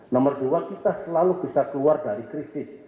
nomor dua kita selalu bisa keluar dari krisis